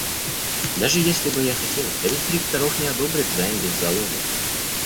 Даже если бы я хотел, совет директоров не одобрит займ без залога.